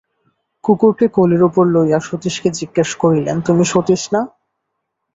কুকুরকে কোলের উপর লইয়া সতীশকে জিজ্ঞাসা করিলেন, তুমি সতীশ না?